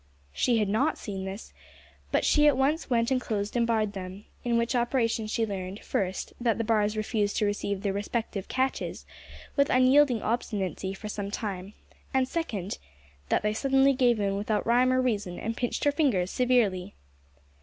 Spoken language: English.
She had not seen this, but she at once went and closed and barred them, in which operation she learned, first, that the bars refused to receive their respective "catches," with unyielding obstinacy for some time; and, second, that they suddenly gave in without rhyme or reason and pinched her fingers severely.